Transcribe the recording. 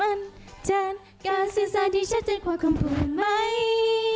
มันจะเป็นการสื่อสารที่ชัดเจ็ดความความพูดไหม